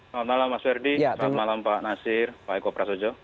selamat malam mas ferdi selamat malam pak nasir pak eko prasojo